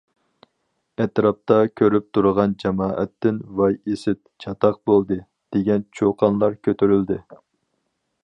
ئەتراپتا كۆرۈپ تۇرغان جامائەتتىن« ۋاي ئىسىت! چاتاق بولدى!» دېگەن چۇقانلار كۆتۈرۈلدى.